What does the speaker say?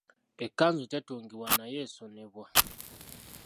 Ekkanzu tetungibwa naye esonebwa.